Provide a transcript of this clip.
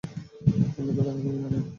তোমার দিকে তাকাতেও ঘৃণ্যা লাগে।